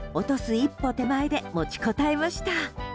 一歩手前で持ちこたえました。